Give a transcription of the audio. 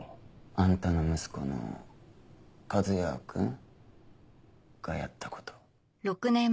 あんたの息子の和哉くんがやった事。